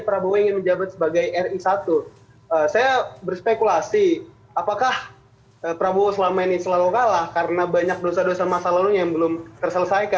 prabowo ingin menjabat sebagai ri satu saya berspekulasi apakah prabowo selama ini selalu kalah karena banyak dosa dosa masa lalu yang belum terselesaikan